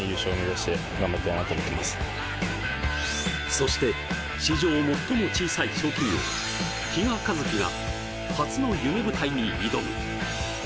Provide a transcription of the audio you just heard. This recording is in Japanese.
そして史上最も小さい賞金王、比嘉一貴が初の夢舞台に挑む。